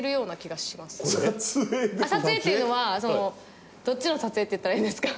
撮影っていうのはどっちの撮影って言ったらいいんですか？